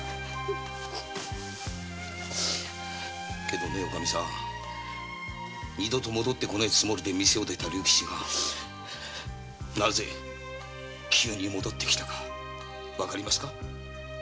けどねおかみさん二度と戻らねえつもりで店を出た竜吉がなぜ急に戻って来たか分かりますか？